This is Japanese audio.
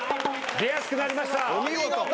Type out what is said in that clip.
出やすくなりました。